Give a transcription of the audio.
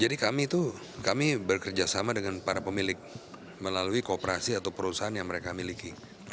jadi kami itu kami bekerja sama dengan para pemilik melalui kooperasi atau perusahaan yang mereka miliki